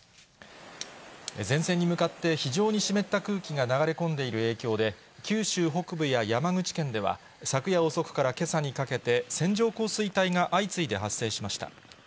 前線に向かって非常に湿った空気が流れ込んでいる影響で、九州北部や山口県では、昨夜遅くからけさにかけて、線状降水帯が相次いで発生しました。